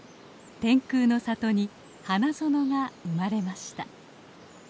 天空の里に花園が生まれました。